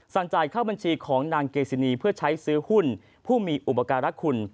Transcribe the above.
สั่งจ่ายเข้าบัญชีของนางกาญจนาพาเพื่อใช้ซื้อหุ้นผู้มีอุปกรณ์รักคุณ